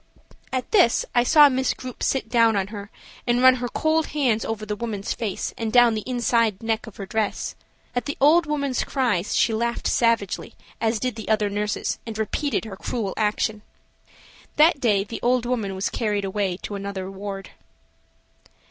At this I saw Miss Grupe sit down on her and run her cold hands over the old woman's face and down inside the neck of her dress. At the old woman's cries she laughed savagely, as did the other nurses, and repeated her cruel action. That day the old woman was carried away to another ward.